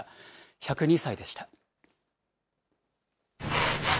１０２歳でした。